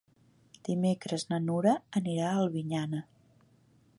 Dimecres na Nura anirà a Albinyana.